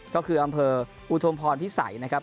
ก็คืออำเภออุทมพรพิสัยนะครับ